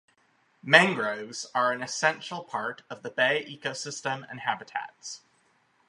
Mangroves are an essential part of the bay ecosystem and habitats.